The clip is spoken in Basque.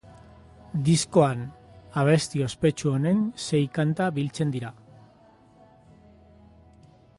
Diskoan abesti ospetsu honen sei kanta biltzen dira.